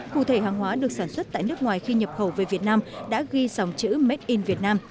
cụ thể hàng hóa được sản xuất tại nước ngoài khi nhập khẩu về việt nam đã ghi dòng chữ made in vietnam